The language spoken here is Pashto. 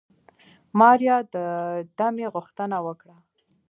ماريا د دمې غوښتنه وکړه.